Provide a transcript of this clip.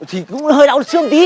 thì cũng hơi đau xương tí